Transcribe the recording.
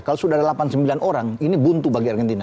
kalau sudah ada delapan puluh sembilan orang ini buntu bagi argentina